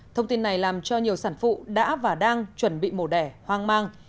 thông tin này làm cho nhiều sản phụ đã và đang chuẩn bị mổ đẻ hoang mang